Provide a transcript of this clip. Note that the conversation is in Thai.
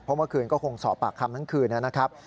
เพราะเมื่อคืนก็คงสอบปากคำทั้งคืนนะครับ